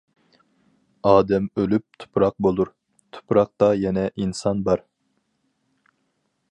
ئادەم ئۆلۈپ تۇپراق بولۇر، تۇپراقتا يەنە ئىنسان بار.